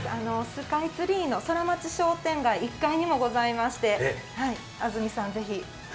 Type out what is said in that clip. スカイツリーのソラマチ商店街、１階にもございまして、安住さん、是非。